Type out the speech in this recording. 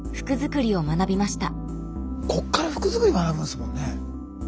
こっから服作り学ぶんですもんね。